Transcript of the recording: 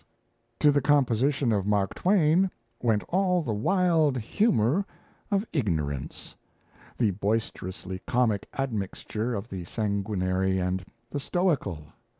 B. S." To the composition of "Mark Twain" went all the wild humour of ignorance the boisterously comic admixture of the sanguinary and the stoical.